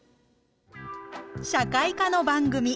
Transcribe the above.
社会科の番組。